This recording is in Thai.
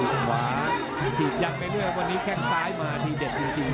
อีกขวาทีบยังไปด้วยวันนี้แค่งซ้ายมาทีเด็ดจริงเลย